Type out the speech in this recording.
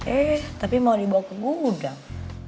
eh tapi mau dibawa ke gudang